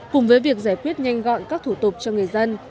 cùng với việc giải quyết nhanh gọn các thủ tục cho người dân